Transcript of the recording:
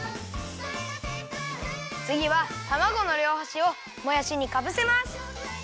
つぎはたまごのりょうはしをもやしにかぶせます。